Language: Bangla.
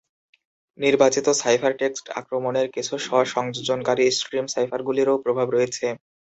নির্বাচিত সাইফারটেক্সট আক্রমণের কিছু স্ব-সংযোজনকারী স্ট্রিম সাইফারগুলিরও প্রভাব রয়েছে।